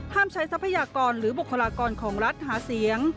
ใช้ทรัพยากรหรือบุคลากรของรัฐหาเสียง